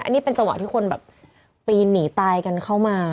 อันนี้เป็นจังหวะที่คนแบบปีนหนีตายกันเข้ามา